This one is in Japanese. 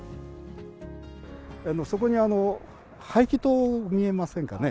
そこに排気塔、見えませんかね？